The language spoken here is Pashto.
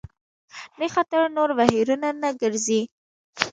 دې خاطر نور بهیرونه نه ګرځي.